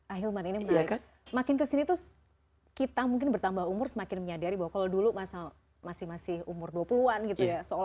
akhirnya ini makin kesini tuh kita mungkin bertambah umur semakin menyadari bahwa dulu masih umur dua puluh an gitu ya